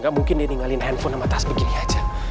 gak mungkin dia tinggalin handphone sama tas begini aja